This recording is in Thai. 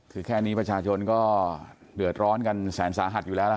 คือแค่นี้ประชาชนก็เดือดร้อนกันแสนสาหัสอยู่แล้วล่ะ